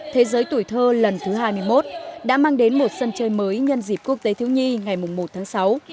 thế giới tuổi thơ lần thứ hai mươi một đã mang đến một sân chơi mới nhân dịp quốc tế thiếu nhi ngày một tháng sáu